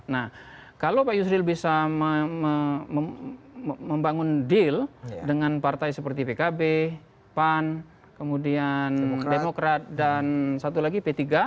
nah kalau pak yusril bisa membangun deal dengan partai seperti pkb pan kemudian demokrat dan satu lagi p tiga